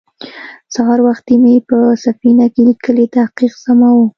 سهار وختې مې په سفينه کې ليکلی تحقيق سماوه.